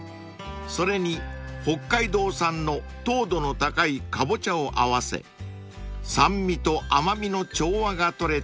［それに北海道産の糖度の高いカボチャを合わせ酸味と甘味の調和が取れた一皿に］